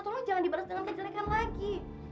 tolong jangan dibalas dengan kejelekan lagi